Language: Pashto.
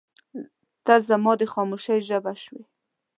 • ته زما د خاموشۍ ژبه شوې.